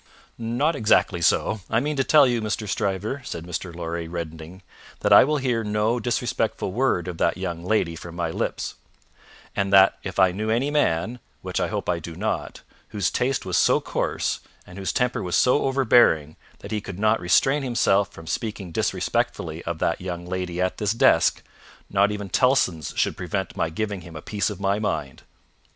"Not exactly so. I mean to tell you, Mr. Stryver," said Mr. Lorry, reddening, "that I will hear no disrespectful word of that young lady from any lips; and that if I knew any man which I hope I do not whose taste was so coarse, and whose temper was so overbearing, that he could not restrain himself from speaking disrespectfully of that young lady at this desk, not even Tellson's should prevent my giving him a piece of my mind."